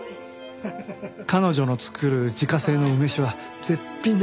彼女の作る自家製の梅酒は絶品でした。